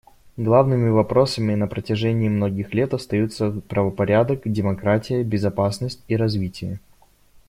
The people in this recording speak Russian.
Главными вопросами на протяжении многих лет остаются правопорядок, демократия, безопасность и развитие.